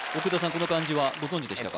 この漢字はご存じでしたか？